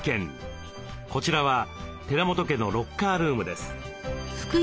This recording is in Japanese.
こちらは寺本家のロッカールームです。